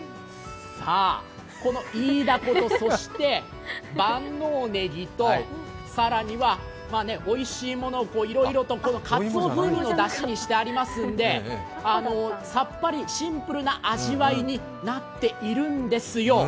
このイイダコと、そして万能ねぎと更には、おいしいものをいろいろとかつお風味のだしにしてありますので、さっぱりシンプルな味わいになっているんですよ。